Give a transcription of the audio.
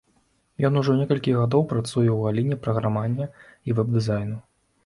Ён ужо некалькі гадоў працуе ў галіне праграмавання і вэб-дызайну.